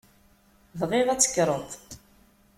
Bɣiɣ ad tekkreḍ.